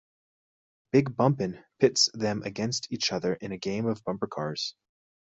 "Big Bumpin'" pits them against each other in a game of bumper cars.